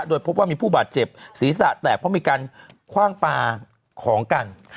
โดยพบว่ามีผู้บาดเจ็บศีรษะแตกเพราะมีการคว่างปลาของกัน